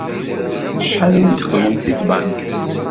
Ɣef wacḥal ay d-qqlen seg tbanka?